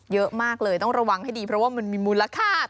เยอะมากเลยต้องระวังให้ดีเพราะว่ามันมีมูลค่า